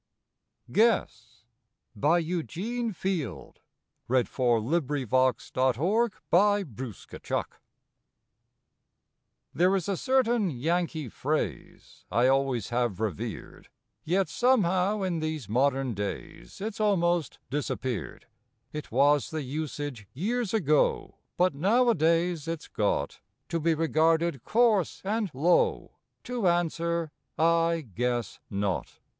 Guess By Eugene Field There is a certain Yankee phrase I always have revered, Yet, somehow, in these modern days, It's almost disappeared; It was the usage years ago, But nowadays it's got To be regarded coarse and low To answer: "I guess not!"